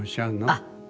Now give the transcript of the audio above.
あっ！